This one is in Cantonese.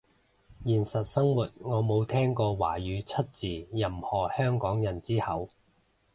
現實生活我冇聽過華語出自任何香港人之口